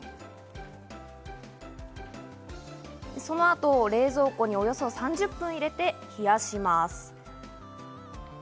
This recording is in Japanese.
そのあと冷蔵庫におよそ３０分入れて、冷やします。